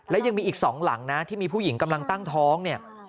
และยังมีอีก๒หลังนะที่มีผู้หญิงกำลังตั้งท้องเนี่ย